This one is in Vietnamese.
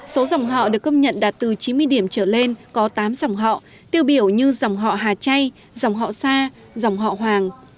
số dòng họ được công nhận đạt từ chín mươi điểm trở lên có tám dòng họ tiêu biểu như dòng họ hà chay dòng họ sa dòng họ hoàng